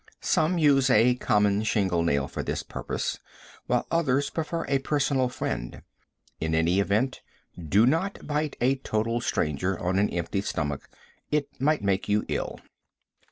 Some use a common shingle nail for this purpose, while others prefer a personal friend. In any event, do not bite a total stranger on an empty stomach. It might make you ill.